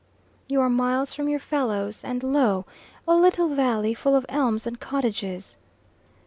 You are miles from your fellows, and lo! a little valley full of elms and cottages.